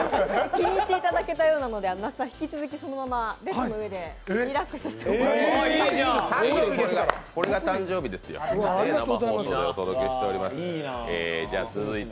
気に入っていただけたようなので、那須さん、引き続きそのうえでリラックスしていただいて。